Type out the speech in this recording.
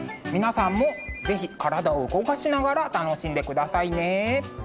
皆さんも是非体を動かしながら楽しんでくださいね。